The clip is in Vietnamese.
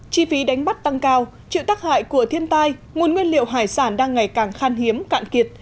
chi phí đánh bắt tăng cao chịu tác hại của thiên tai nguồn nguyên liệu hải sản đang ngày càng khan hiếm cạn kiệt